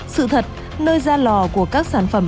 sự thật nơi ra lò của các sản phẩm